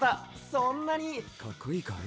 そんなにかっこいいかい？